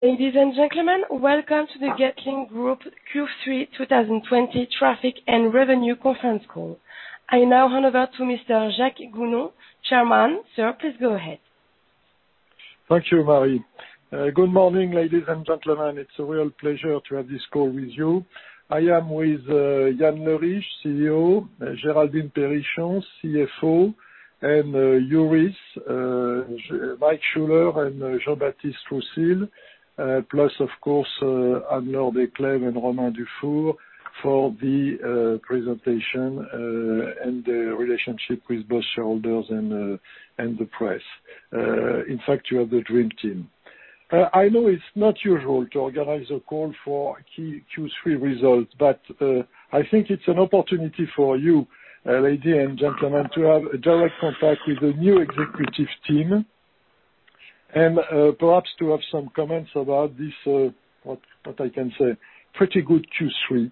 Ladies and gentlemen, welcome to the Getlink Group Q3 2020 traffic and revenue conference call. I now hand over to Mr. Jacques Gouno, Chairman. Sir, please go ahead. Thank you, Marie. Good morning, ladies and gentlemen. It's a real pleasure to have this call with you. I am with Yann Leriche, CEO, Géraldine Périchon, CFO, and jurists Mike Schuller and Jean-Baptiste Roussille, plus of course Anne-Laure Desclèves and Romain Dufour for the presentation, and the relationship with both shareholders and the press. In fact, you have the dream team. I know it's not usual to organize a call for Q3 results, but, I think it's an opportunity for you, ladies and gentlemen, to have a direct contact with the new executive team, and perhaps to have some comments about this, what I can say, pretty good Q3.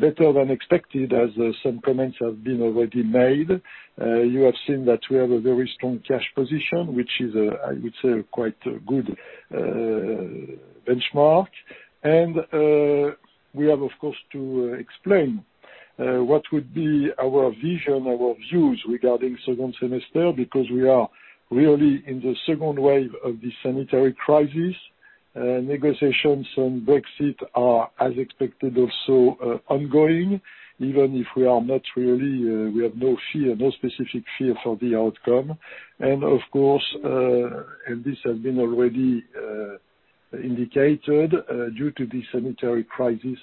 Better than expected, as some comments have been already made. You have seen that we have a very strong cash position, which is, I would say, quite a good benchmark. We have, of course, to explain what would be our vision, our views regarding second semester, because we are really in the second wave of the sanitary crisis. Negotiations on Brexit are, as expected also, ongoing, even if we have no specific fear for the outcome. Of course, this has been already indicated, due to the sanitary crisis,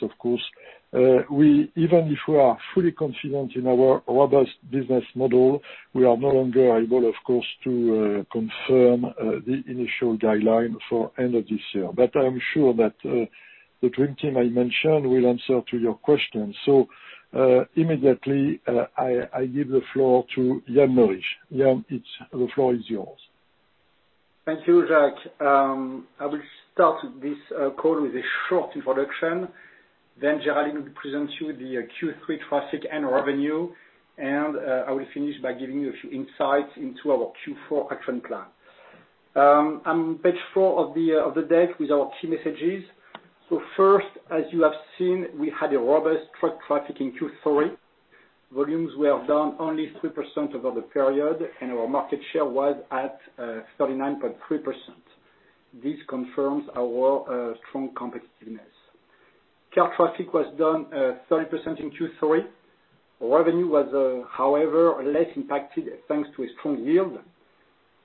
even if we are fully confident in our robust business model, we are no longer able, of course, to confirm the initial guideline for end of this year. I'm sure that the dream team I mentioned will answer to your questions. Immediately, I give the floor to Yann Leriche. Yann, the floor is yours. Thank you, Jacques. I will start this call with a short introduction. Géraldine will present you the Q3 traffic and revenue. I will finish by giving you a few insights into our Q4 action plan. On page four of the deck with our key messages. First, as you have seen, we had a robust truck traffic in Q3. Volumes were down only 3% over the period. Our market share was at 39.3%. This confirms our strong competitiveness. Car traffic was down 30% in Q3. Revenue was, however, less impacted thanks to a strong yield.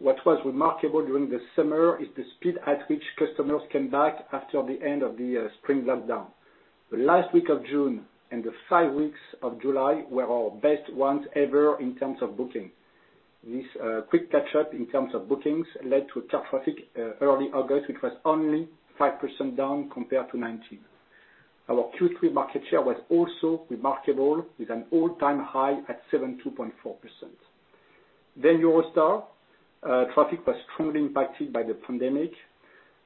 What was remarkable during the summer is the speed at which customers came back after the end of the spring lockdown. The last week of June and the five weeks of July were our best ones ever in terms of booking. This quick catch-up in terms of bookings led to truck traffic early August, which was only 5% down compared to 2019. Our Q3 market share was also remarkable, with an all-time high at 72.4%. Eurostar. Traffic was truly impacted by the pandemic.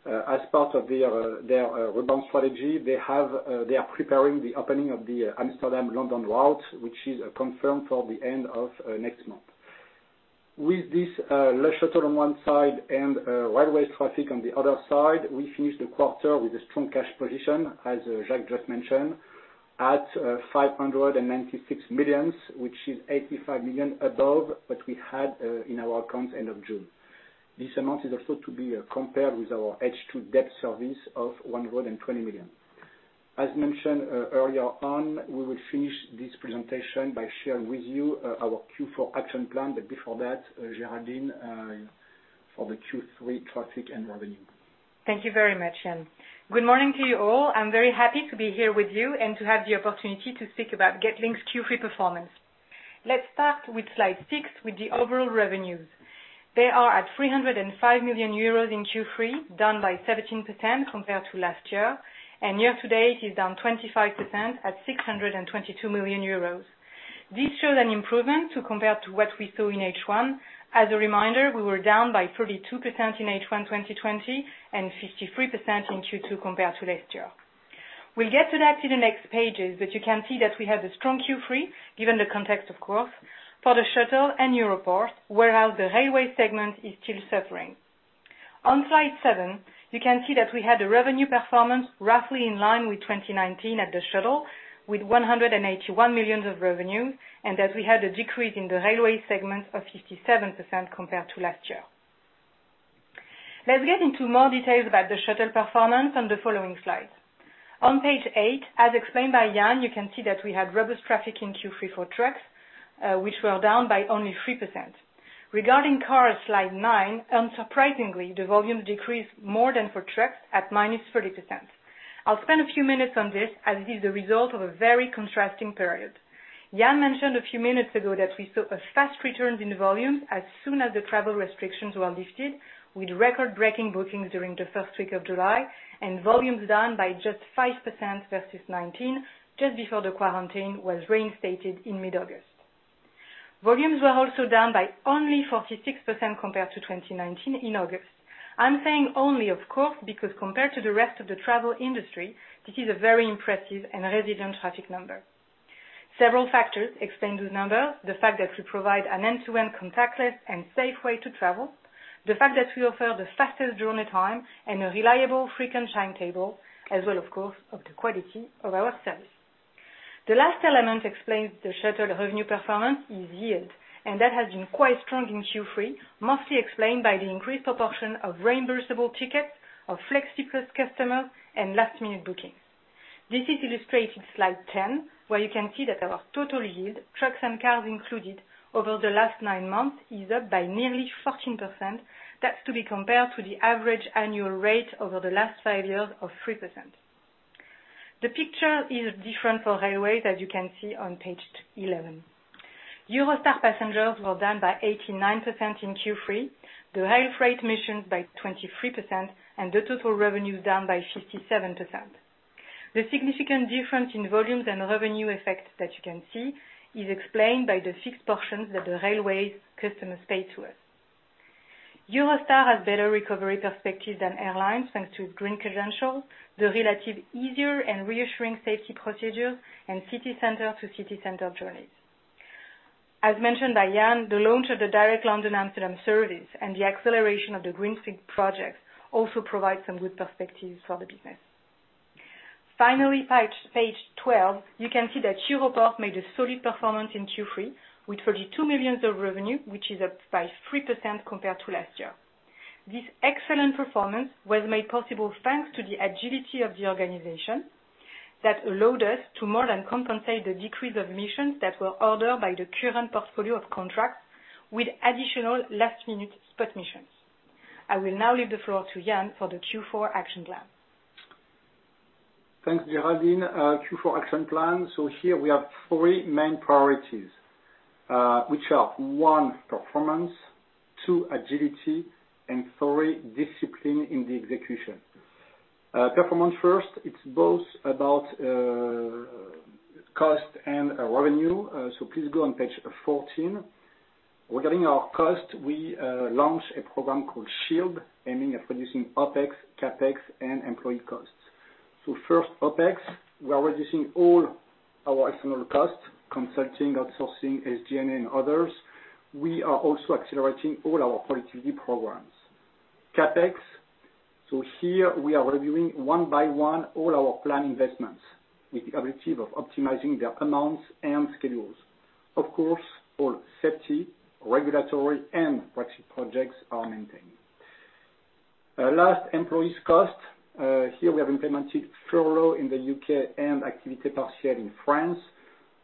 As part of their rebound strategy, they are preparing the opening of the Amsterdam-London route, which is confirmed for the end of next month. With this Le Shuttle on one side and railway traffic on the other side, we finished the quarter with a strong cash position, as Jacques just mentioned, at 596 million, which is 85 million above what we had in our account end of June. This amount is also to be compared with our H2 debt service of 120 million. As mentioned earlier on, we will finish this presentation by sharing with you our Q4 action plan, but before that, Géraldine, for the Q3 traffic and revenue. Thank you very much, Yann. Good morning to you all. I'm very happy to be here with you and to have the opportunity to speak about Getlink's Q3 performance. Let's start with slide six with the overall revenues. They are at 305 million euros in Q3, down by 17% compared to last year. Year to date is down 25% at 622 million euros. This shows an improvement to compare to what we saw in H1. As a reminder, we were down by 32% in H1 2020, and 53% in Q2 compared to last year. We'll get to that in the next pages, but you can see that we have a strong Q3, given the context, of course, for the Shuttle and Europorte, whereas the railway segment is still suffering. On slide seven, you can see that we had a revenue performance roughly in line with 2019 at the Shuttle, with 181 million of revenue, and that we had a decrease in the railway segment of 57% compared to last year. Let's get into more details about the Shuttle performance on the following slides. On page eight, as explained by Yann, you can see that we had robust traffic in Q3 for trucks, which were down by only 3%. Regarding cars, slide nine, unsurprisingly, the volume decreased more than for trucks at -30%. I'll spend a few minutes on this, as it is the result of a very contrasting period. Yann mentioned a few minutes ago that we saw a fast return in volumes as soon as the travel restrictions were lifted, with record-breaking bookings during the first week of July, and volumes down by just 5% versus 2019, just before the quarantine was reinstated in mid-August. Volumes were also down by only 46% compared to 2019 in August. I'm saying only, of course, because compared to the rest of the travel industry, this is a very impressive and resilient traffic number. Several factors explain this number. The fact that we provide an end-to-end contactless and safe way to travel, the fact that we offer the fastest journey time and a reliable frequent timetable, as well, of course, of the quality of our service. The last element explains the Shuttle revenue performance is yield, and that has been quite strong in Q3, mostly explained by the increased proportion of reimbursable tickets, of Flexiplus customers, and last-minute bookings. This is illustrated, slide 10, where you can see that our total yield, trucks and cars included, over the last nine months is up by nearly 14%. That's to be compared to the average annual rate over the last five years of 3%. The picture is different for railway, as you can see on page 11. Eurostar passengers were down by 89% in Q3, the rail freight missions by 23%, and the total revenues down by 57%. The significant difference in volumes and revenue effects that you can see is explained by the fixed portions that the railway customers pay to us. Eurostar has better recovery perspective than airlines, thanks to its green credentials, the relative easier and reassuring safety procedure, and city center to city center journeys. As mentioned by Yann, the launch of the direct London-Amsterdam service and the acceleration of the Greenfleet project also provide some good perspectives for the business. Finally, page 12, you can see that Europorte made a solid performance in Q3, with 32 million of revenue, which is up by 3% compared to last year. This excellent performance was made possible thanks to the agility of the organization that allowed us to more than compensate the decrease of missions that were ordered by the current portfolio of contracts with additional last-minute spot missions. I will now leave the floor to Yann for the Q4 action plan. Thanks, Géraldine. Q4 action plan. Here we have three main priorities, which are one, performance, two, agility, and three, discipline in the execution. Performance first, it's both about cost and revenue. Please go on page 14. Regarding our cost, we launched a program called Shield, aiming at reducing OpEx, CapEx, and employee costs. First, OpEx, we are reducing all our external costs, consulting, outsourcing, SG&A, and others. We are also accelerating all our productivity programs. CapEx, here we are reviewing one by one all our planned investments with the objective of optimizing their amounts and schedules. Of course, all safety, regulatory, and proxy projects are maintained. Last, employees cost. Here we have implemented furlough in the U.K. and activité partielle in France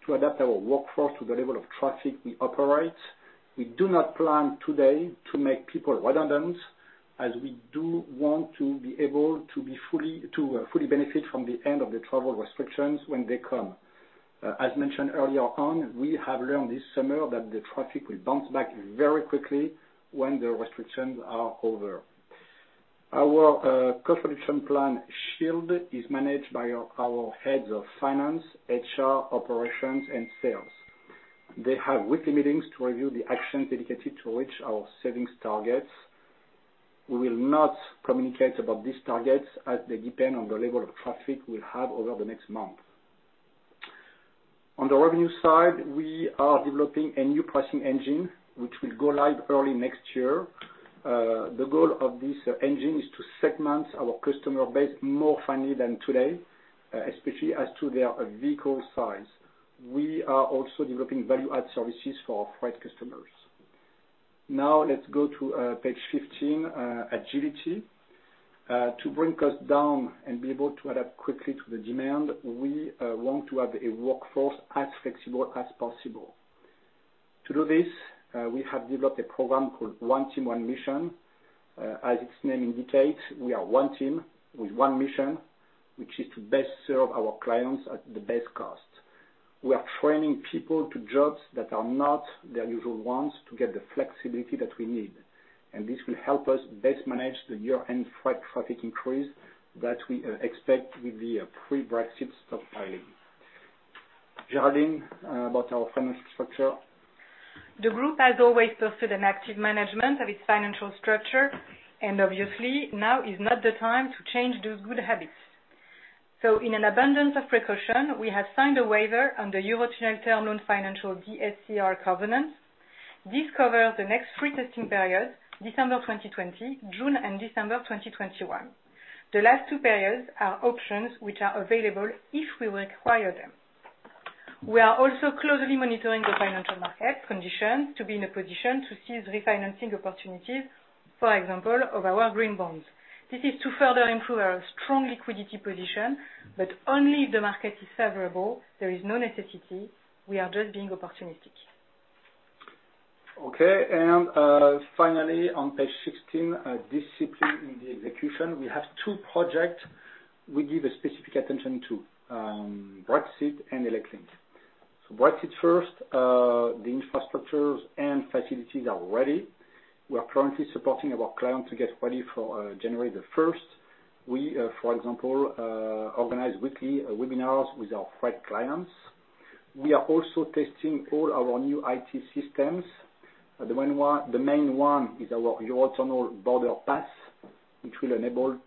to adapt our workforce to the level of traffic we operate. We do not plan today to make people redundant, as we do want to be able to fully benefit from the end of the travel restrictions when they come. As mentioned earlier on, we have learned this summer that the traffic will bounce back very quickly when the restrictions are over. Our cost reduction plan, Shield, is managed by our heads of finance, HR, operations, and sales. They have weekly meetings to review the actions dedicated to reach our savings targets. We will not communicate about these targets, as they depend on the level of traffic we'll have over the next month. On the revenue side, we are developing a new pricing engine, which will go live early next year. The goal of this engine is to segment our customer base more finely than today, especially as to their vehicle size. We are also developing value-add services for our freight customers. Let's go to page 15, agility. To bring costs down and be able to adapt quickly to the demand, we want to have a workforce as flexible as possible. To do this, we have developed a program called One Team, One Mission. As its name indicates, we are one team with one mission, which is to best serve our clients at the best cost. We are training people to jobs that are not their usual ones to get the flexibility that we need, and this will help us best manage the year-end freight traffic increase that we expect with the pre-Brexit stockpiling. Géraldine, about our financial structure. The group has always boasted an active management of its financial structure, obviously now is not the time to change those good habits. In an abundance of precaution, we have signed a waiver on the Eurotunnel term loan financial DSCR covenants. This covers the next three testing periods, December 2020, June and December 2021. The last two periods are options which are available if we require them. We are also closely monitoring the financial market conditions to be in a position to seize refinancing opportunities, for example, of our Green Bonds. This is to further improve our strong liquidity position, but only if the market is favorable. There is no necessity. We are just being opportunistic. Okay, finally on page 16, discipline in the execution. We have two projects we give specific attention to, Brexit and ElecLink. Brexit first. The infrastructures and facilities are ready. We are currently supporting our client to get ready for January 1st. We, for example, organize weekly webinars with our freight clients. We are also testing all our new IT systems. The main one is our Eurotunnel Border Pass, which will enable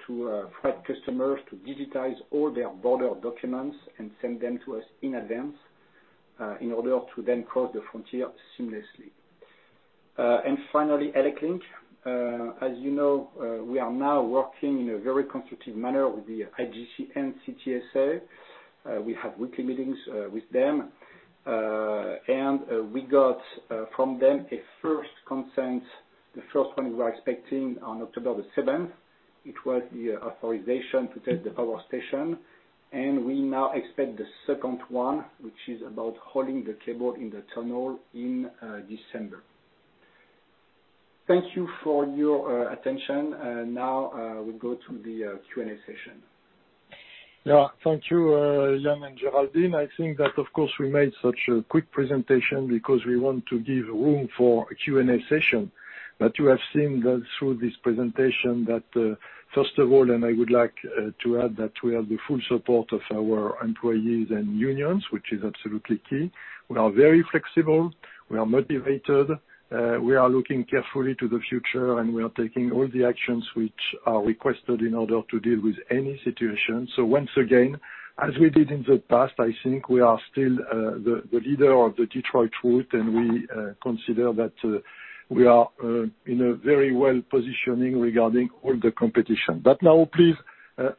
freight customers to digitize all their border documents and send them to us in advance, in order to then cross the frontier seamlessly. Finally, ElecLink. As you know, we are now working in a very constructive manner with the IGC and CTSA. We have weekly meetings with them. We got from them a first consent, the first one we were expecting on October the 7th. It was the authorization to test the power station. We now expect the second one, which is about holding the cable in the tunnel, in December. Thank you for your attention. We go to the Q&A session. Yeah. Thank you, Yann and Géraldine. I think that, of course, we made such a quick presentation because we want to give room for a Q&A session. You have seen through this presentation that, first of all, and I would like to add that we have the full support of our employees and unions, which is absolutely key. We are very flexible, we are motivated, we are looking carefully to the future, and we are taking all the actions which are requested in order to deal with any situation. Once again, as we did in the past, I think we are still the leader of the Détroit route and we consider that we are in a very well positioning regarding all the competition. Now, please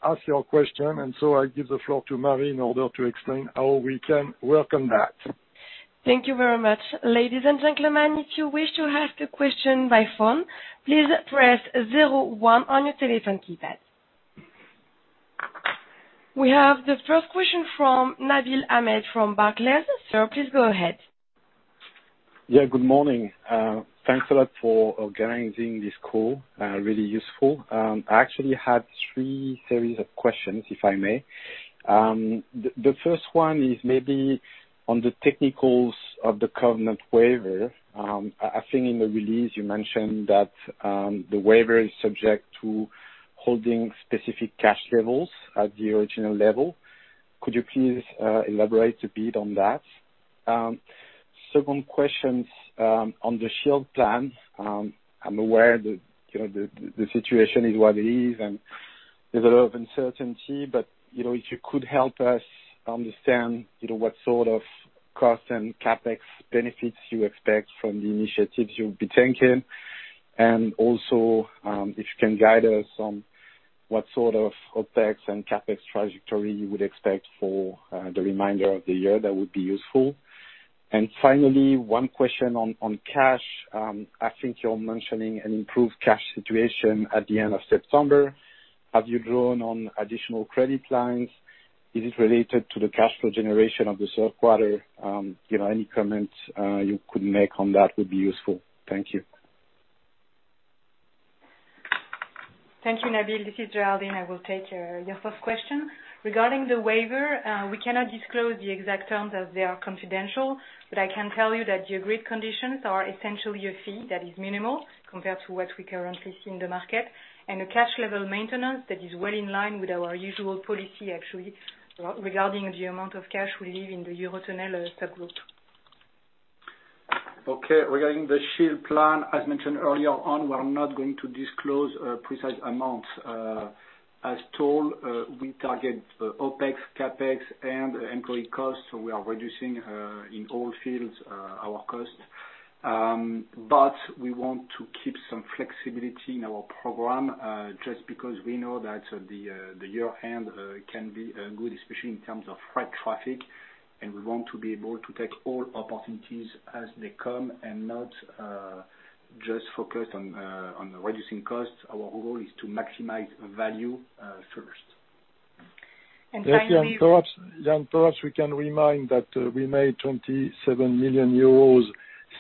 ask your question, and so I give the floor to Marie in order to explain how we can welcome that. Thank you very much. Ladies and gentlemen, if you wish to ask a question by phone, please press zero one on your telephone keypad. We have the first question from Nabil Ahmed from Barclays. Sir, please go ahead. Yeah, good morning. Thanks a lot for organizing this call, really useful. I actually had three series of questions, if I may. The first one is maybe on the technicals of the covenant waiver. I think in the release you mentioned that the waiver is subject to holding specific cash levels at the original level. Could you please elaborate a bit on that? Second question's on the Shield plan. I'm aware that the situation is what it is, and there's a lot of uncertainty, but if you could help us understand what sort of cost and CapEx benefits you expect from the initiatives you'll be taking. If you can guide us on what sort of OpEx and CapEx trajectory you would expect for the remainder of the year, that would be useful. Finally, one question on cash. I think you're mentioning an improved cash situation at the end of September. Have you drawn on additional credit lines? Is it related to the cash flow generation of the third quarter? Any comments you could make on that would be useful. Thank you. Thank you, Nabil. This is Géraldine, I will take your first question. Regarding the waiver, we cannot disclose the exact terms as they are confidential, but I can tell you that the agreed conditions are essentially a fee that is minimal compared to what we currently see in the market. A cash level maintenance that is well in line with our usual policy actually, regarding the amount of cash we leave in the Eurotunnel subgroup. Okay. Regarding the Shield plan, as mentioned earlier on, we are not going to disclose precise amounts. As told, we target OpEx, CapEx, and employee costs. We are reducing in all fields our cost. We want to keep some flexibility in our program, just because we know that the year-end can be good, especially in terms of freight traffic, and we want to be able to take all opportunities as they come, and not just focus on reducing costs. Our goal is to maximize value first. And finally- Yann, perhaps we can remind that we made 27 million euros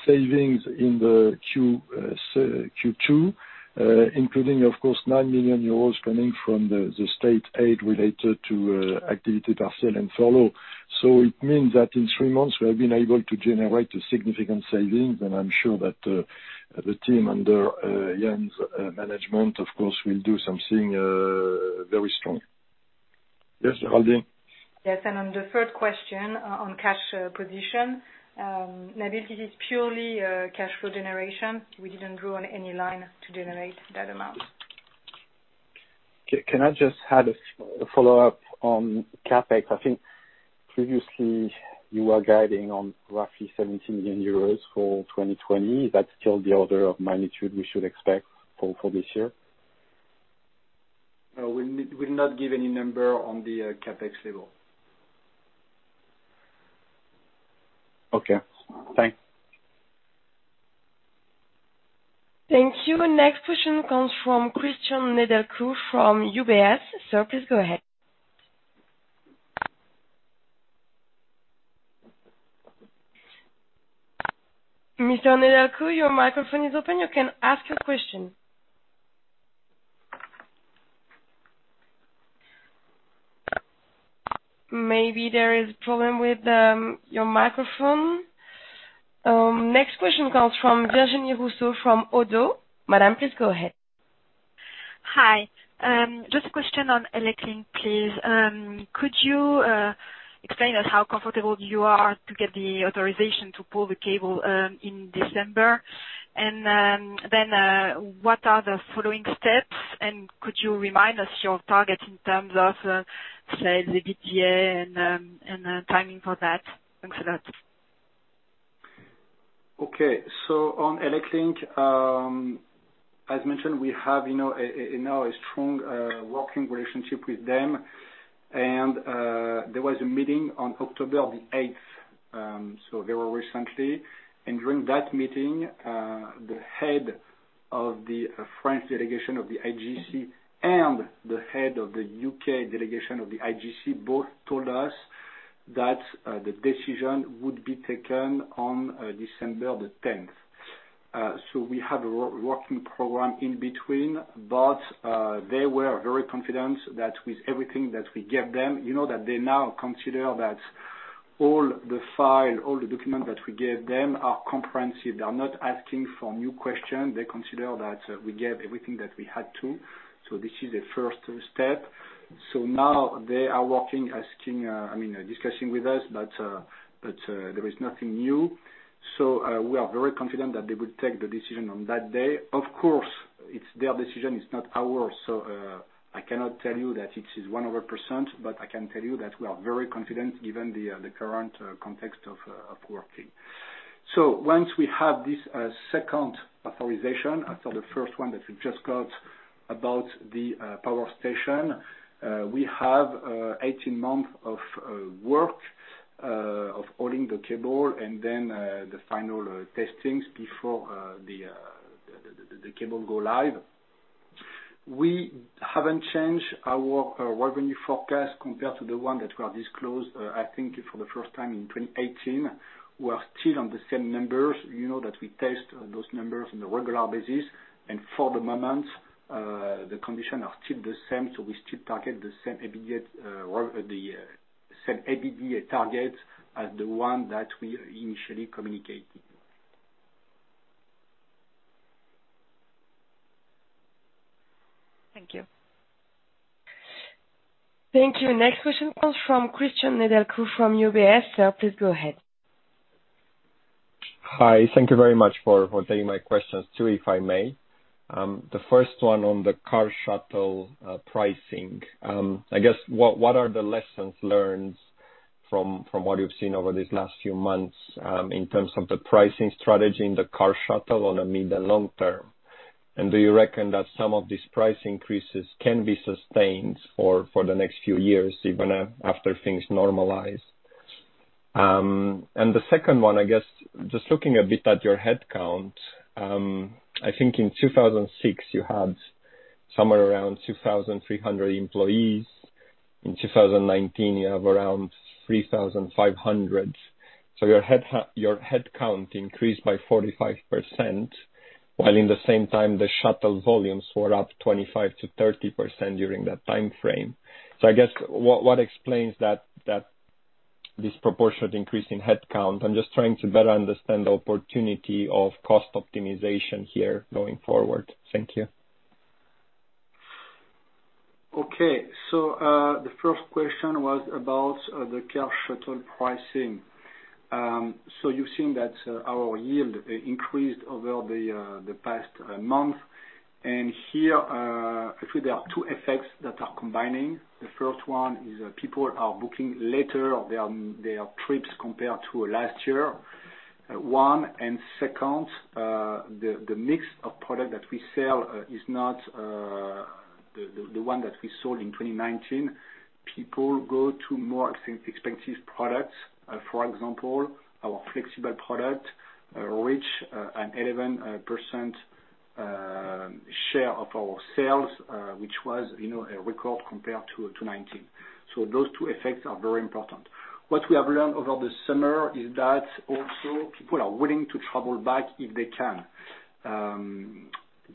savings in the Q2, including of course, 9 million euros coming from the state aid related to activité partielle and furlough. It means that in three months, we have been able to generate a significant savings, and I'm sure that the team under Yann's management, of course, will do something very strong. Géraldine. Yes. On the third question on cash position, Nabil, this is purely cash flow generation. We didn't draw on any line to generate that amount. Can I just add a follow-up on CapEx? I think previously you were guiding on roughly 70 million euros for 2020. Is that still the order of magnitude we should expect for this year? No, we will not give any number on the CapEx level. Okay. Thanks. Thank you. Next question comes from Cristian Nedelcu from UBS. Sir, please go ahead. Mr. Nedelcu, your microphone is open. You can ask your question. Maybe there is a problem with your microphone. Next question comes from Virginie Rousseau from Oddo BHF. Madame, please go ahead. Hi. Just a question on ElecLink, please. Could you explain to us how comfortable you are to get the authorization to pull the cable in December. What are the following steps, and could you remind us your target in terms of, say, the BPA and timing for that? Thanks a lot. Okay. On ElecLink, as mentioned, we have now a strong working relationship with them. There was a meeting on October 8th, so very recently. During that meeting, the head of the French delegation of the IGC and the head of the U.K. delegation of the IGC both told us that the decision would be taken on December 10th. We have a working program in between, but they were very confident that with everything that we gave them, that they now consider that all the file, all the documents that we gave them are comprehensive. They are not asking for new questions. They consider that we gave everything that we had to, so this is the first step. Now they are working, discussing with us, but there is nothing new. We are very confident that they will take the decision on that day. Of course, it's their decision, it's not ours, so I cannot tell you that it is 100%, but I can tell you that we are very confident given the current context of working. Once we have this second authorization after the first one that we just got about the power station, we have 18 months of work of hauling the cable and then the final testings before the cable go live. We haven't changed our revenue forecast compared to the one that we have disclosed, I think for the first time in 2018. We are still on the same numbers. For the moment, the conditions are still the same, so we still target the same EBITDA target as the one that we initially communicated. Thank you. Thank you. Next question comes from Cristian Nedelcu from UBS. Sir, please go ahead. Thank you very much for taking my questions too, if I may. The first one on the car shuttle pricing. I guess, what are the lessons learned from what you've seen over these last few months in terms of the pricing strategy in the car shuttle on a mid to long term? Do you reckon that some of these price increases can be sustained for the next few years, even after things normalize? The second one, I guess, just looking a bit at your headcount. I think in 2006 you had somewhere around 2,300 employees. In 2019, you have around 3,500. Your headcount increased by 45%, while in the same time the shuttle volumes were up 25%-30% during that timeframe. I guess, what explains that disproportionate increase in headcount? I'm just trying to better understand the opportunity of cost optimization here going forward. Thank you. The first question was about the car Shuttle pricing. You've seen that our yield increased over the past month. Here, actually there are two effects that are combining. The first one is that people are booking later their trips compared to last year, one. Second, the mix of product that we sell is not the one that we sold in 2019. People go to more expensive products. For example, our flexible product reached an 11% share of our sales, which was a record compared to 2019. Those two effects are very important. What we have learned over the summer is that also people are willing to travel back if they can.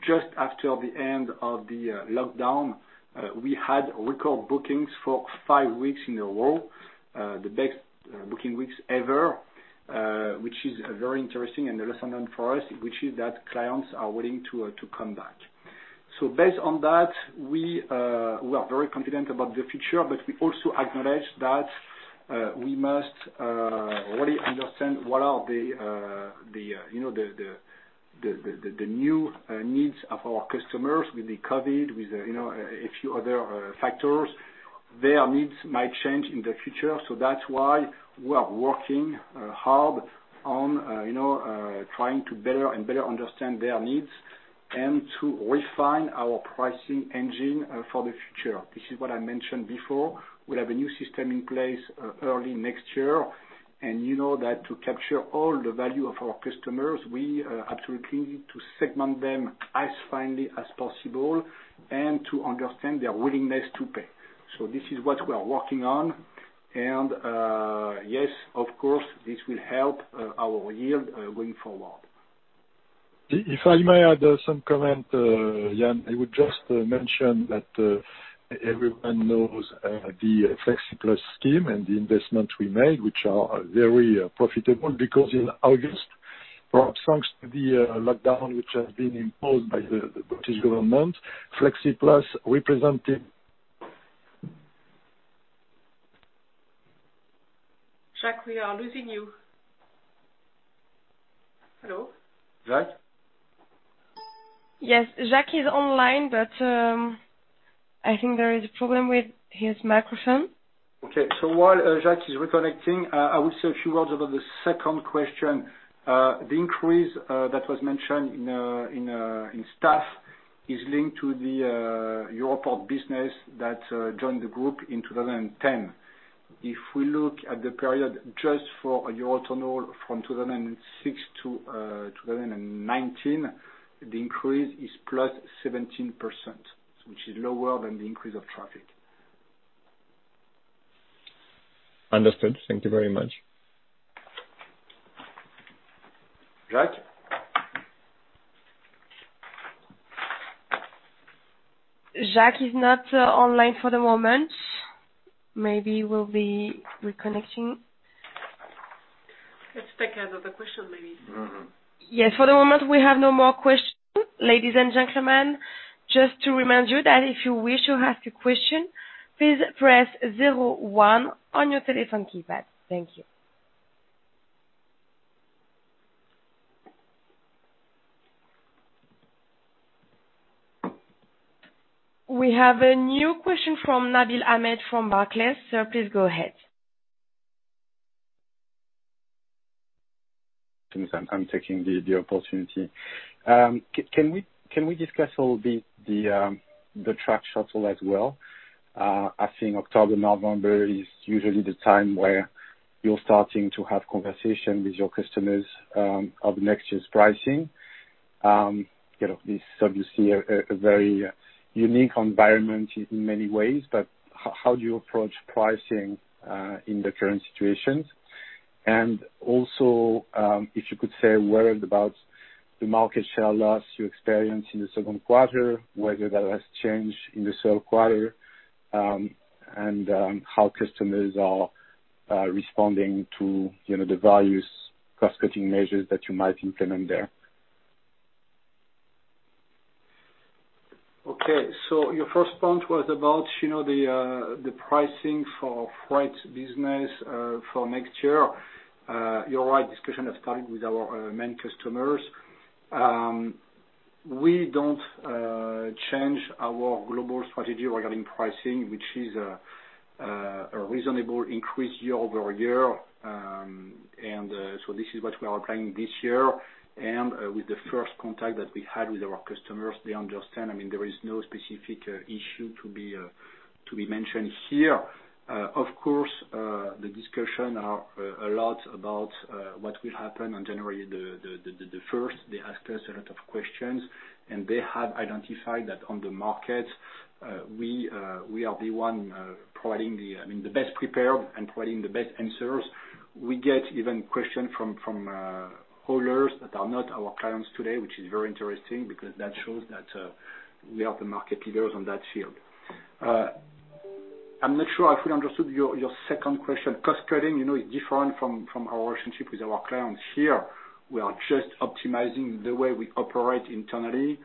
Just after the end of the lockdown, we had record bookings for five weeks in a row, the best booking weeks ever, which is very interesting and a lesson learned for us, which is that clients are willing to come back. Based on that, we are very confident about the future, but we also acknowledge that we must really understand what are the new needs of our customers with the COVID, with a few other factors. Their needs might change in the future. That's why we are working hard on trying to better and better understand their needs and to refine our pricing engine for the future. This is what I mentioned before. We'll have a new system in place early next year. You know that to capture all the value of our customers, we absolutely need to segment them as finely as possible and to understand their willingness to pay. This is what we are working on. Yes, of course, this will help our yield going forward. If I may add some comment, Yann, I would just mention that everyone knows the Flexiplus scheme and the investment we made, which are very profitable because in August. Perhaps thanks to the lockdown which has been imposed by the British government. Flexiplus represented. Jacques, we are losing you. Hello? Jacques? Yes, Jacques is online, but I think there is a problem with his microphone. While Jacques is reconnecting, I will say a few words about the second question. The increase that was mentioned in staff is linked to the Europorte business that joined the group in 2010. If we look at the period just for Eurotunnel from 2006 to 2019, the increase is +17%, which is lower than the increase of traffic. Understood. Thank you very much. Jacques? Jacques is not online for the moment. Maybe will be reconnecting. Let's take another question, maybe. Yes, for the moment, we have no more questions. Ladies and gentlemen, just to remind you that if you wish to ask a question, please press zero one on your telephone keypad. Thank you. We have a new question from Nabil Ahmed from Barclays. Sir, please go ahead. Since I'm taking the opportunity. Can we discuss a little bit the truck Shuttle as well? I think October, November is usually the time where you're starting to have conversation with your customers of next year's pricing. This obviously a very unique environment in many ways, but how do you approach pricing in the current situations? Also, if you could say a word about the market share loss you experienced in the second quarter, whether that has changed in the third quarter, and how customers are responding to the various cost-cutting measures that you might implement there. Your first point was about the pricing for freight business for next year. You're right. Discussion has started with our main customers. We don't change our global strategy regarding pricing, which is a reasonable increase year-over-year. This is what we are applying this year. With the first contact that we had with our customers, they understand. There is no specific issue to be mentioned here. Of course, the discussion are a lot about what will happen on January 1st. They asked us a lot of questions, and they have identified that on the market, we are the one providing the best prepared and providing the best answers. We get even question from haulers that are not our clients today, which is very interesting because that shows that we are the market leaders on that field. I'm not sure I fully understood your second question. Cost-cutting is different from our relationship with our clients here. We are just optimizing the way we operate internally.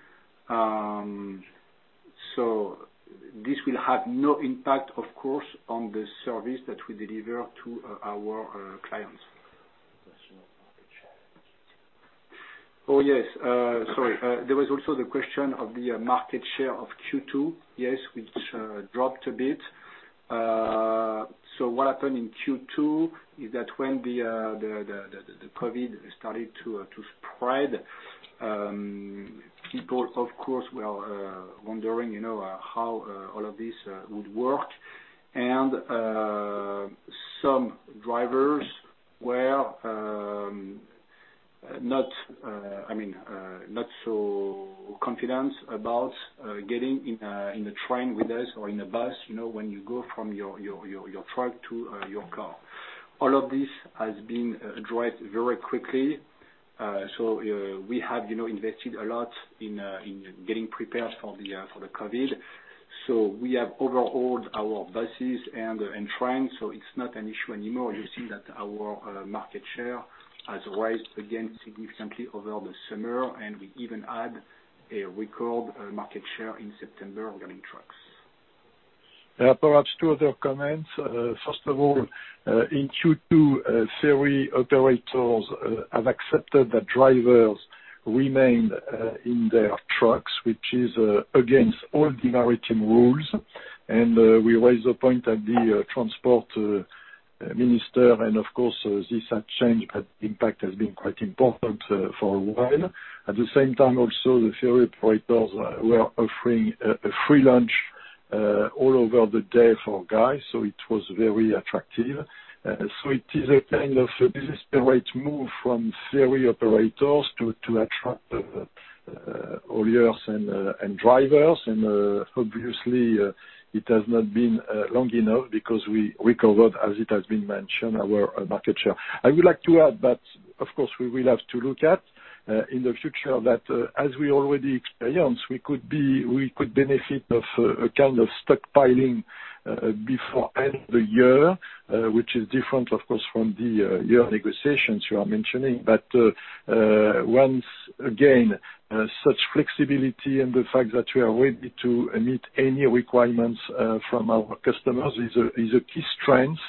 This will have no impact, of course, on the service that we deliver to our clients. Question on market share. Oh, yes. Sorry. There was also the question of the market share of Q2. Yes, which dropped a bit. What happened in Q2 is that when the COVID started to spread, people, of course, were wondering how all of this would work. Some drivers were not so confident about getting in the train with us or in a bus when you go from your truck to your car. All of this has been addressed very quickly. We have invested a lot in getting prepared for the COVID. We have overhauled our buses and trains, so it is not an issue anymore. You see that our market share has rised again significantly over the summer, and we even had a record market share in September regarding trucks. Perhaps two other comments. First of all, in Q2, ferry operators have accepted that drivers remain in their trucks, which is against all the maritime rules. We raised the point at the transport minister, and of course, this change impact has been quite important for a while. At the same time, also, the ferry operators were offering a free lunch all over the day for guys, so it was very attractive. It is a kind of business operate move from ferry operators to attract hauliers and drivers. Obviously, it has not been long enough because we recovered, as it has been mentioned, our market share. I would like to add that of course, we will have to look at In the future that, as we already experienced, we could benefit of a kind of stockpiling before end of the year, which is different, of course, from the year negotiations you are mentioning. Once again, such flexibility and the fact that we are ready to meet any requirements from our customers is a key strength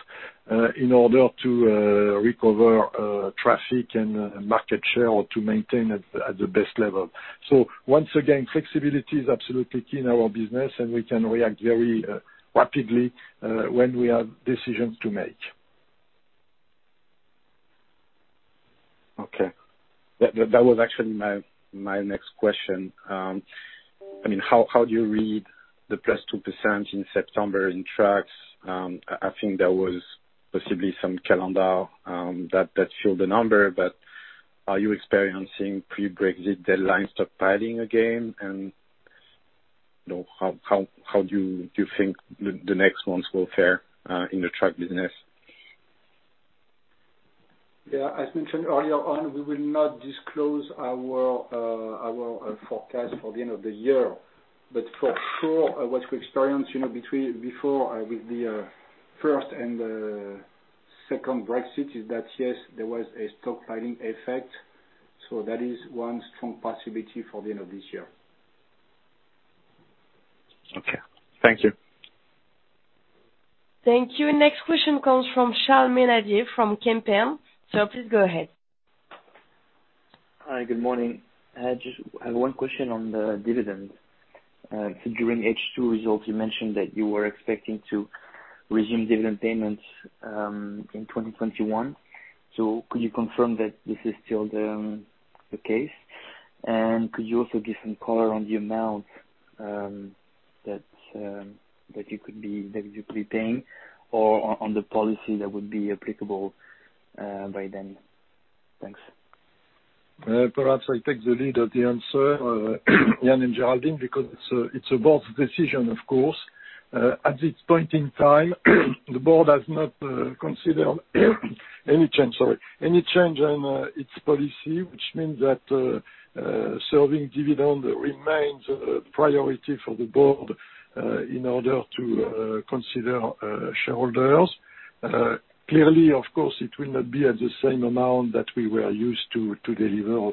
in order to recover traffic and market share, or to maintain at the best level. Once again, flexibility is absolutely key in our business, and we can react very rapidly when we have decisions to make. Okay. That was actually my next question. How do you read the +2% in September in trucks? I think there was possibly some calendar that filled the number. Are you experiencing pre-Brexit deadline stockpiling again? How do you think the next months will fare in the truck business? Yeah, as mentioned earlier on, we will not disclose our forecast for the end of the year. For sure, what we experienced before with the first and the second Brexit is that, yes, there was a stockpiling effect. That is one strong possibility for the end of this year. Okay. Thank you. Thank you. Next question comes from Charles Maynadier from Kempen. Please go ahead. Hi, good morning. I just have one question on the dividends. During H2 results, you mentioned that you were expecting to resume dividend payments in 2021. Could you confirm that this is still the case? Could you also give some color on the amount that you could be paying or on the policy that would be applicable by then? Thanks. Perhaps I take the lead of the answer, Yann and Géraldine, because it's a board's decision, of course. At this point in time, the board has not considered any change on its policy, which means that serving dividend remains a priority for the board in order to consider shareholders. Clearly, of course, it will not be at the same amount that we were used to delivering.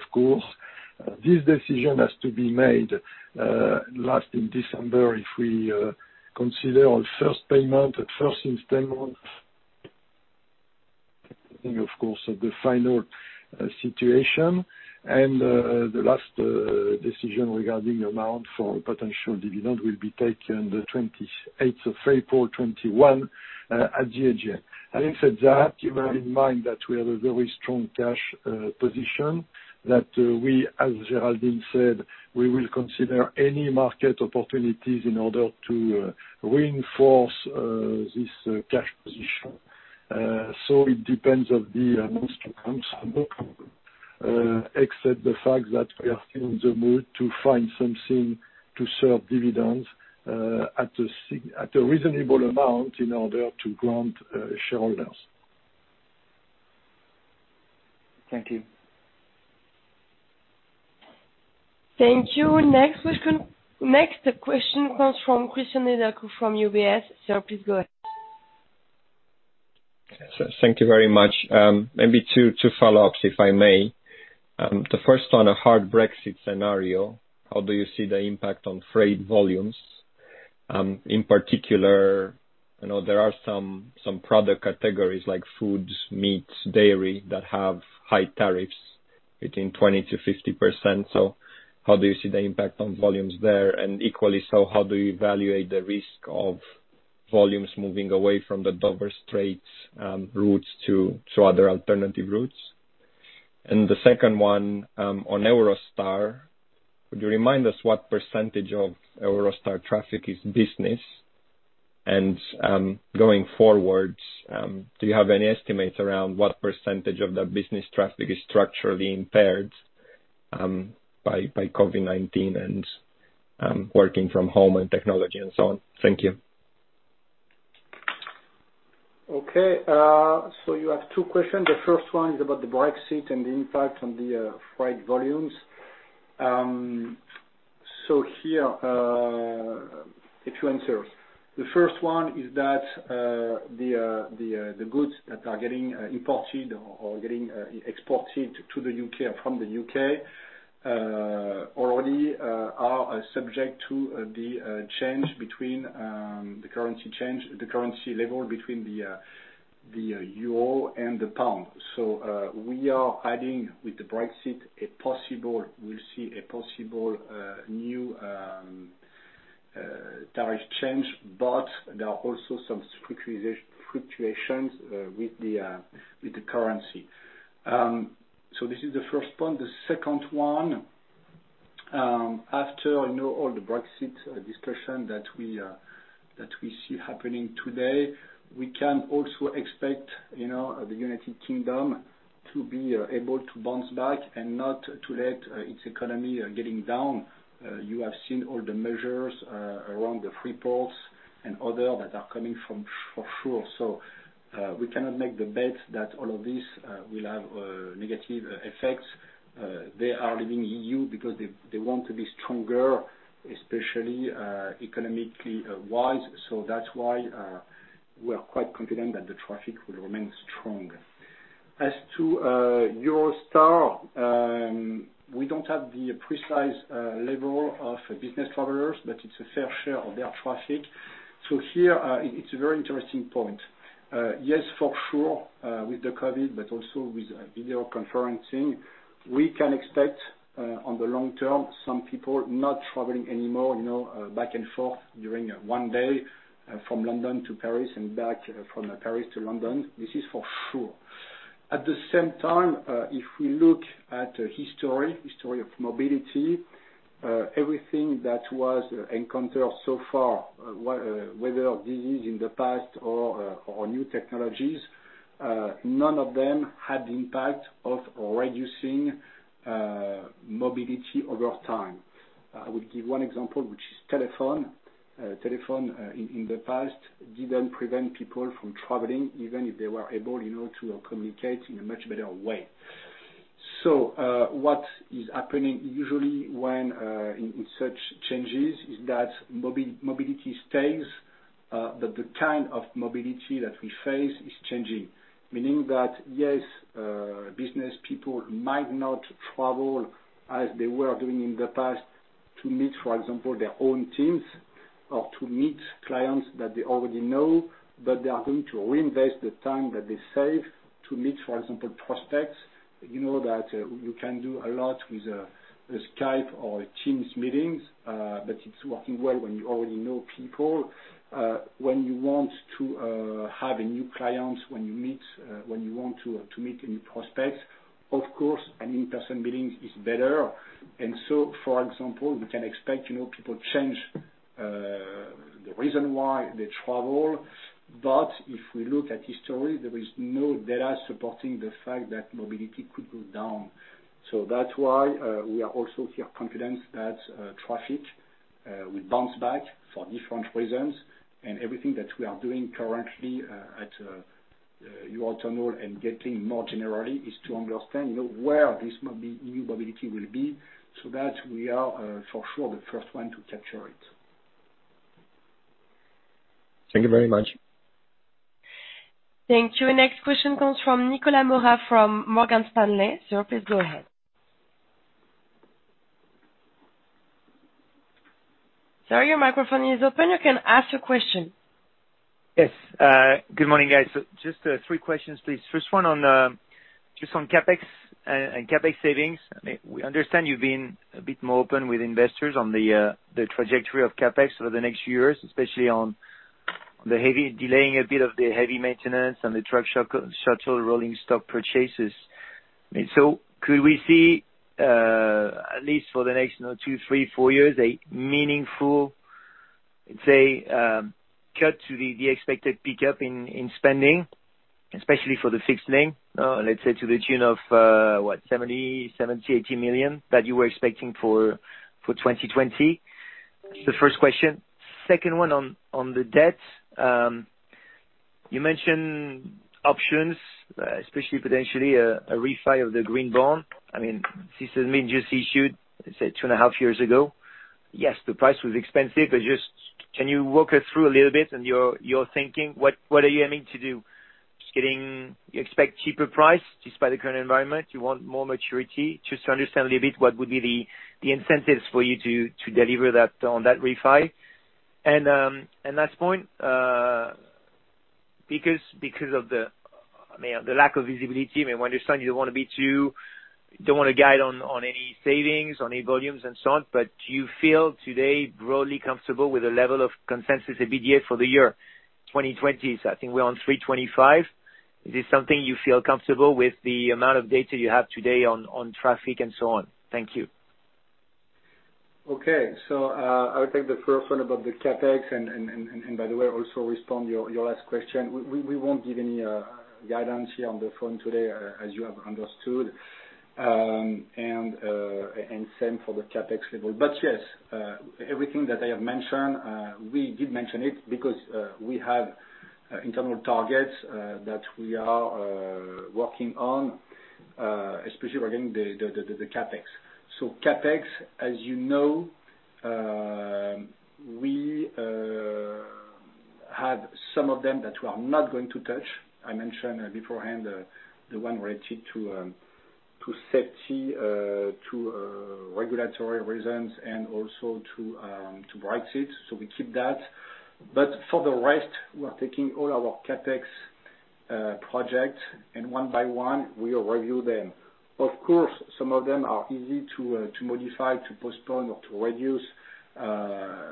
This decision has to be made last in December if we consider on first payment, at first installment, depending, of course, on the final situation. The last decision regarding amount for potential dividend will be taken the 28th of April 2021 at the AGA. Having said that, keep in mind that we have a very strong cash position that we, as Géraldine said, we will consider any market opportunities in order to reinforce this cash position. It depends on the amounts to come, except the fact that we are still in the mood to find something to serve dividends at a reasonable amount in order to grant shareholders. Thank you. Thank you. Next question comes from Charles Maynadier from UBS. Please go ahead. Thank you very much. Maybe two follow-ups, if I may. The first on a hard Brexit scenario, how do you see the impact on freight volumes? In particular, there are some product categories like foods, meats, dairy, that have high tariffs between 20%-50%. How do you see the impact on volumes there? Equally so, how do you evaluate the risk of volumes moving away from the Dover Straits routes to other alternative routes? The second one on Eurostar, would you remind us what percentage of Eurostar traffic is business? Going forward, do you have any estimates around what percentage of the business traffic is structurally impaired by COVID-19 and working from home and technology and so on? Thank you. Okay. You have two questions. The first one is about the Brexit and the impact on the freight volumes. Here, a few answers. The first one is that the goods that are getting imported or getting exported to the U.K. or from the U.K. already are subject to the change between the currency change, the currency level between the euro and the pound. We are adding with the Brexit, we'll see a possible new tariff change, but there are also some fluctuations with the currency. This is the first point. The second one, after all the Brexit discussion that we see happening today, we can also expect the United Kingdom to be able to bounce back and not to let its economy getting down. You have seen all the measures around the freeports and other that are coming for sure. We cannot make the bet that all of this will have negative effects. They are leaving EU because they want to be stronger, especially economically wise. That's why we are quite confident that the traffic will remain strong. As to Eurostar, we don't have the precise level of business travelers, but it's a fair share of their traffic. Here, it's a very interesting point. Yes, for sure, with the COVID, but also with video conferencing, we can expect on the long term, some people not traveling anymore, back and forth during one day from London to Paris and back from Paris to London. This is for sure. At the same time, if we look at history of mobility, everything that was encountered so far, whether disease in the past or new technologies, none of them had the impact of reducing mobility over time. I will give one example, which is telephone. Telephone in the past didn't prevent people from traveling, even if they were able to communicate in a much better way. What is happening usually when in such changes is that mobility stays, but the kind of mobility that we face is changing. Meaning that, yes, business people might not travel as they were doing in the past to meet, for example, their own teams or to meet clients that they already know, but they are going to reinvest the time that they save to meet, for example, prospects. You know that you can do a lot with Skype or Teams meetings, but it's working well when you already know people. When you want to have new clients, when you want to meet a new prospect, of course, an in-person meeting is better. For example, we can expect people change the reason why they travel. If we look at history, there is no data supporting the fact that mobility could go down. That's why we are also here confident that traffic will bounce back for different reasons. Everything that we are doing currently at Eurotunnel and Getlink more generally is to understand where this new mobility will be so that we are for sure the first one to capture it. Thank you very much. Thank you. Next question comes from Nicolas Mora from Morgan Stanley. Sir, please go ahead. Sir, your microphone is open. You can ask your question. Yes. Good morning, guys. Just three questions, please. First one on CapEx and CapEx savings. We understand you've been a bit more open with investors on the trajectory of CapEx over the next years, especially on the delaying a bit of the heavy maintenance and the truck Shuttle rolling stock purchases. Could we see, at least for the next two, three, four years, a meaningful, let's say, cut to the expected pickup in spending, especially for the fixed link? Let's say to the tune of what, 70 million, 80 million that you were expecting for 2020? That's the first question. Second one on the debt. You mentioned options, especially potentially a refi of the Green Bond. Since it's been just issued, let's say two and a half years ago. Yes, the price was expensive, but just can you walk us through a little bit on your thinking? What are you aiming to do? You expect cheaper price despite the current environment? You want more maturity? Just to understand a little bit what would be the incentives for you to deliver on that refi. Last point, because of the lack of visibility, I understand you don't want to guide on any savings, on any volumes and so on, but do you feel today broadly comfortable with the level of consensus EBITDA for the year 2020? I think we're on 325 million. Is this something you feel comfortable with the amount of data you have today on traffic and so on? Thank you. Okay. I will take the first one about the CapEx and by the way, also respond to your last question. We won't give any guidance here on the phone today as you have understood, and same for the CapEx level. Yes, everything that I have mentioned, we did mention it because we have internal targets that we are working on, especially regarding the CapEx. CapEx, as you know, we have some of them that we are not going to touch. I mentioned beforehand the one related to safety, to regulatory reasons and also to Brexit. We keep that. For the rest, we are taking all our CapEx projects, and one by one, we review them. Of course, some of them are easy to modify, to postpone, or to reduce,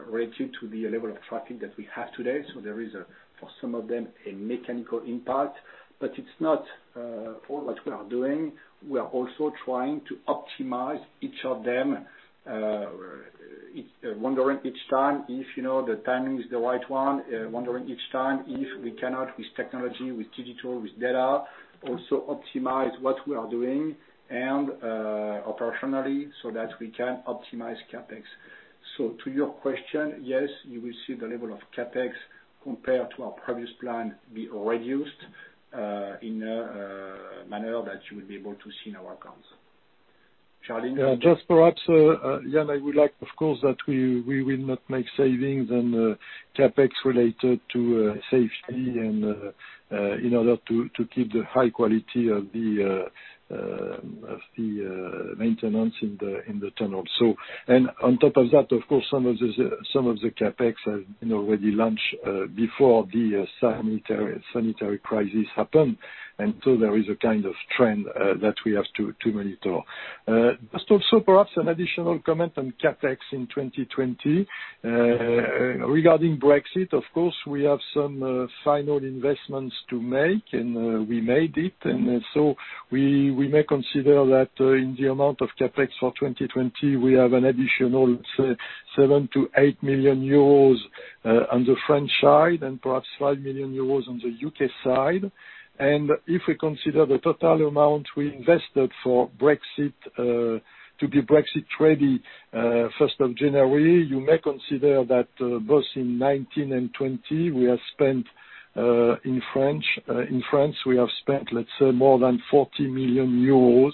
related to the level of traffic that we have today. There is, for some of them, a mechanical impact, but it's not all that we are doing. We are also trying to optimize each of them, wondering each time if the timing is the right one, wondering each time if we cannot, with technology, with digital, with data, also optimize what we are doing and operationally so that we can optimize CapEx. To your question, yes, you will see the level of CapEx compared to our previous plan be reduced in a manner that you will be able to see in our accounts. Jacques? Just perhaps, Yann, I would like, of course, that we will not make savings on the CapEx related to safety and in order to keep the high quality of the maintenance in the tunnel. On top of that, of course, some of the CapEx have been already launched before the sanitary crisis happened. There is a kind of trend that we have to monitor. Perhaps an additional comment on CapEx in 2020. Regarding Brexit, of course, we have some final investments to make, and we made it. We may consider that in the amount of CapEx for 2020, we have an additional 7 million-8 million euros on the French side and perhaps GBP 5 million on the U.K. side. If we consider the total amount we invested to be Brexit ready 1st of January, you may consider that both in 2019 and 2020, we have spent in France, let's say, more than 40 million euros.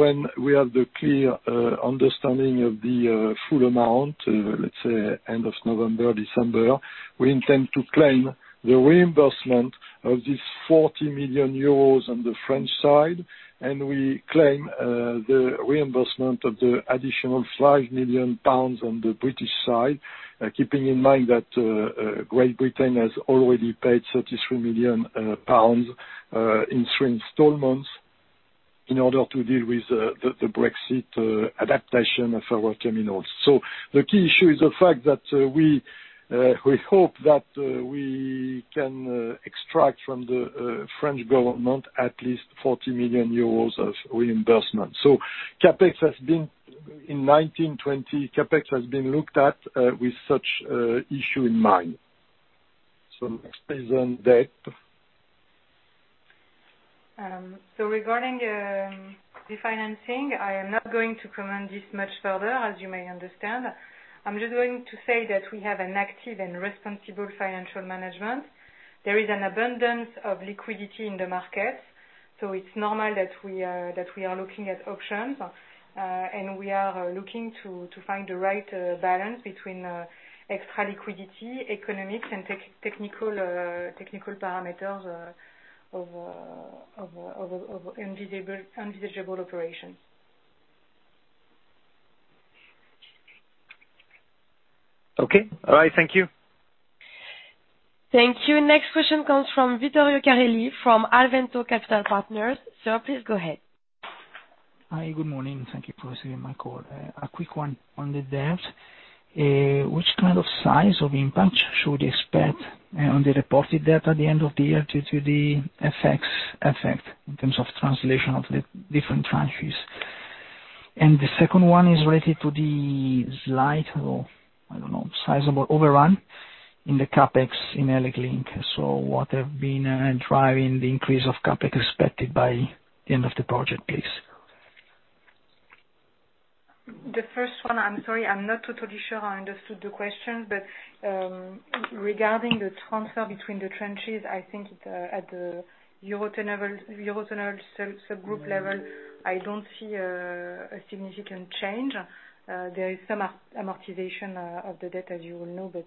When we have the clear understanding of the full amount, let's say end of November, December, we intend to claim the reimbursement of this 40 million euros on the French side, and we claim the reimbursement of the additional 5 million pounds on the British side, keeping in mind that Great Britain has already paid 33 million pounds in three installments in order to deal with the Brexit adaptation of our terminals. The key issue is the fact that we hope that we can extract from the French government at least 40 million euros of reimbursement. In 2019, 2020, CapEx has been looked at with such issue in mind. Next is on debt. Regarding the financing, I am not going to comment this much further, as you may understand. I'm just going to say that we have an active and responsible financial management. There is an abundance of liquidity in the market, so it's normal that we are looking at options, and we are looking to find the right balance between extra liquidity, economics, and technical parameters of invisible operations. Okay. All right. Thank you. Thank you. Next question comes from Vittorio Carelli of Alvento Capital Partners. Sir, please go ahead. Hi. Good morning. Thank you for receiving my call. A quick one on the debt. Which kind of size of impact should we expect on the reported debt at the end of the year due to the effects in terms of translation of the different trenches? The second one is related to the slight, or I don't know, sizable overrun in the CapEx in ElecLink. What have been driving the increase of CapEx expected by the end of the project, please? The first one, I'm sorry, I'm not totally sure I understood the question. Regarding the transfer between the tranches, I think at the Eurotunnel subgroup level, I don't see a significant change. There is some amortization of the debt, as you all know, but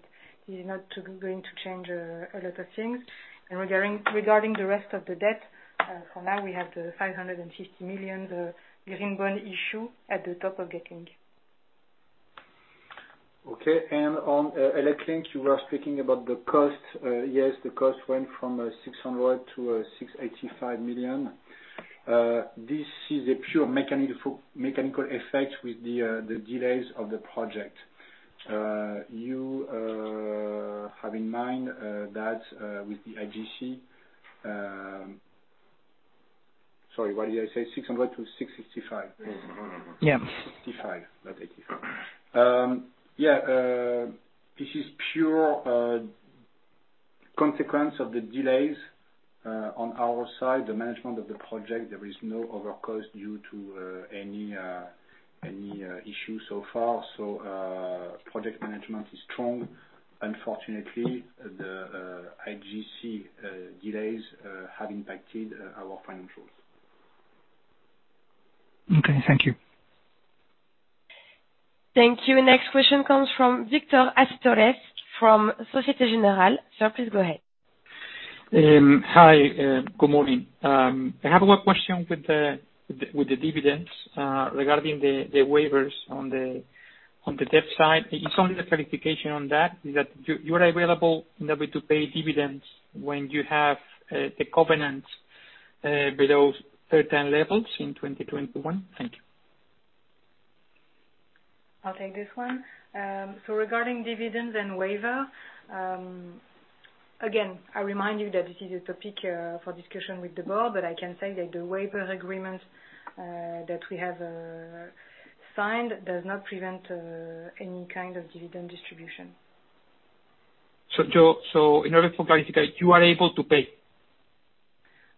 it's not going to change a lot of things. Regarding the rest of the debt, for now, we have the 550 million Green Bond issue at the top of Getlink. Okay. On ElecLink, you were speaking about the cost. Yes, the cost went from 600 million-685 million. This is a pure mechanical effect with the delays of the project. You have in mind that with the IGC, sorry, what did I say? 600 million-665 million? Yeah. 65, not 85. Yeah. This is pure consequence of the delays on our side, the management of the project. There is no overcost due to any issues so far. Project management is strong. Unfortunately, the IGC delays have impacted our financials. Okay. Thank you. Thank you. Next question comes from Victor Acitores from Société Générale. Sir, please go ahead. Hi. Good morning. I have a question with the dividends regarding the waivers on the debt side. It's only the clarification on that, is that you are available to pay dividends when you have the covenants below certain levels in 2021? Thank you. Regarding dividends and waiver, again, I remind you that this is a topic for discussion with the board, but I can say that the waiver agreement that we have signed does not prevent any kind of dividend distribution. In order for clarification, you are able to pay?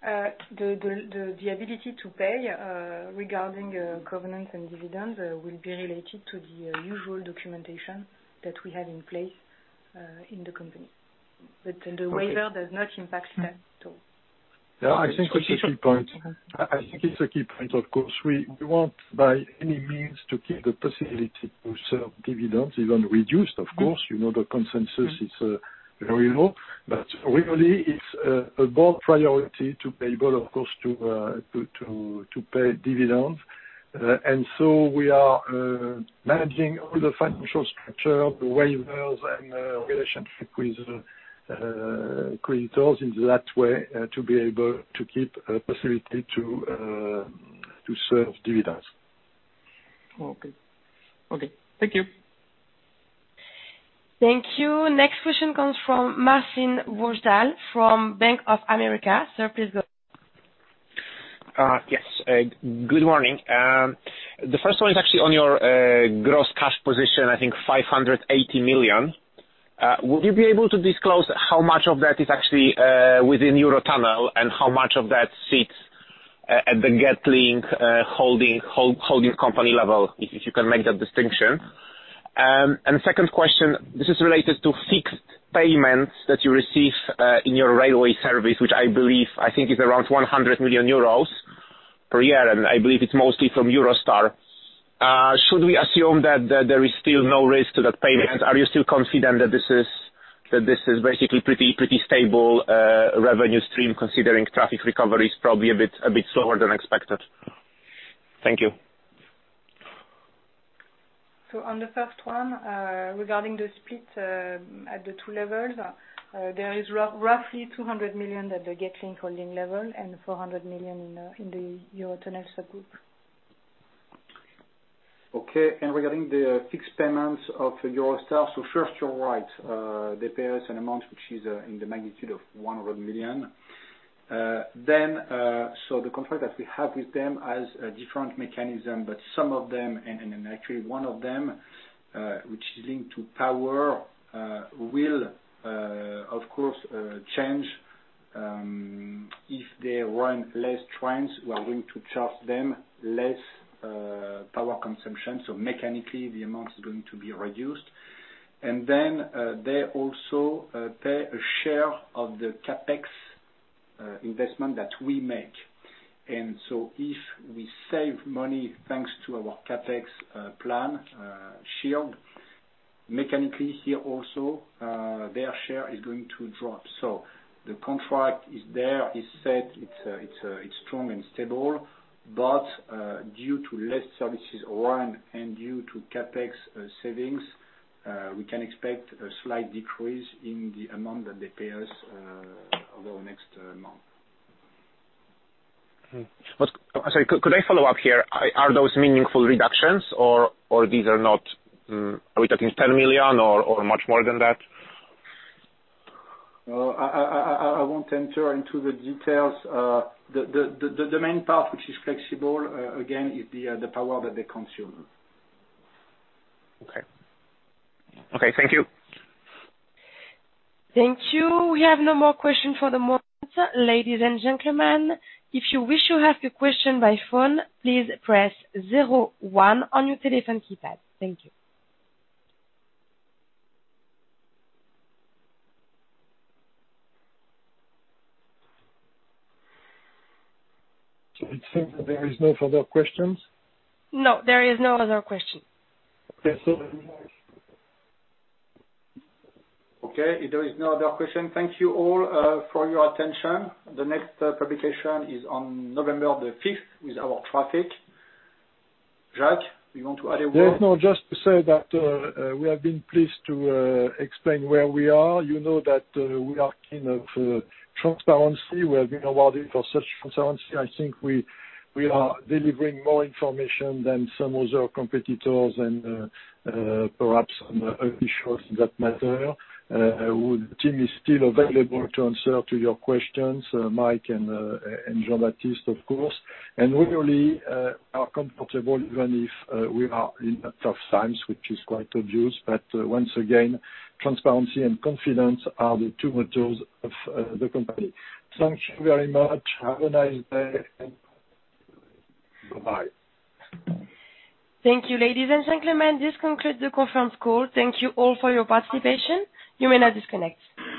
The ability to pay regarding governance and dividends will be related to the usual documentation that we have in place in the company. The waiver does not impact that at all. Yeah, I think it's a key point. I think it's a key point, of course. We want by any means to keep the possibility to serve dividends, even reduced, of course. The consensus is very low, but really it's a board priority to be able, of course, to pay dividends. We are managing all the financial structure, the waivers, and relationship with creditors in that way to be able to keep a possibility to serve dividends. Okay. Thank you. Thank you. Next question comes from Marcin Wojtal from Bank of America. Sir, please go. Yes. Good morning. The first one is actually on your gross cash position, I think 580 million. Would you be able to disclose how much of that is actually within Eurotunnel and how much of that sits at the Getlink holding company level, if you can make that distinction? Second question, this is related to fixed payments that you receive in your railway service, which I believe, I think is around 100 million euros per year, and I believe it's mostly from Eurostar. Should we assume that there is still no risk to that payment? Are you still confident that this is basically pretty stable revenue stream, considering traffic recovery is probably a bit slower than expected? Thank you. On the first one, regarding the split at the two levels, there is roughly 200 million at the Getlink holding level and 400 million in the Eurotunnel subgroup. Okay. Regarding the fixed payments of Eurostar, first you're right. They pay us an amount which is in the magnitude of 100 million. The contract that we have with them has a different mechanism, but some of them, and actually one of them, which is linked to power, will of course change. If they run less trains, we are going to charge them less power consumption. Mechanically, the amount is going to be reduced. Then they also pay a share of the CapEx investment that we make. If we save money, thanks to our CapEx plan Shield, mechanically here also their share is going to drop. The contract is there, it's set. It's strong and stable. Due to less services run and due to CapEx savings, we can expect a slight decrease in the amount that they pay us over the next month. Sorry, could I follow up here? Are those meaningful reductions or are we talking 10 million or much more than that? I won't enter into the details. The main part, which is flexible, again, is the power that they consume. Okay. Thank you. Thank you. We have no more question for the moment. Ladies and gentlemen, if you wish to ask a question by phone, please press zero one on your telephone keypad. Thank you. It seems that there is no further questions? No, there is no other question. Okay. Very nice. Okay. If there is no other question, thank you all for your attention. The next publication is on November the 5th with our traffic. Jacques, you want to add a word? Yes. No, just to say that we have been pleased to explain where we are. You know that we are keen of transparency. We have been awarded for such transparency. I think we are delivering more information than some other competitors and perhaps on other issues in that matter. The team is still available to answer to your questions, Mike and Jean-Baptiste, of course. We really are comfortable, even if we are in tough times, which is quite obvious. Once again, transparency and confidence are the two motors of the company. Thank you very much. Have a nice day. Bye. Thank you, ladies and gentlemen. This concludes the conference call. Thank you all for your participation. You may now disconnect.